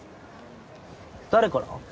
誰から？